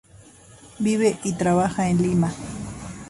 Vive y trabaja en Lima.